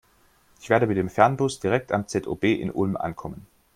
Ich werde mit dem Fernbus direkt am ZOB in Ulm ankommen.